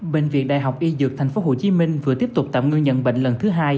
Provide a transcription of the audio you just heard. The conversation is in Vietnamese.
bệnh viện đại học y dược tp hcm vừa tiếp tục tạm ngư nhận bệnh lần thứ hai